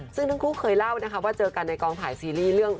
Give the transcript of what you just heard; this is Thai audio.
ซึ่งทั้งคู่เคยเล่านะคะว่าเจอกันในกองถ่ายซีรีส์เรื่อง